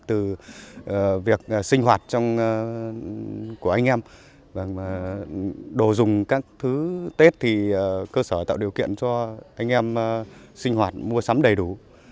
từ việc sinh hoạt của anh em đồ dùng các thứ tết thì cơ sở tạo điều kiện cho anh em sinh hoạt mua sắm đầy đủ